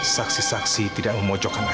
saksi saksi tidak memocokkan aida